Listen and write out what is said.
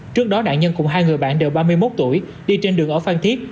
trước đó nạn nhân cùng hai người bạn đều ba mươi một tuổi đi trên đường ở phan thiết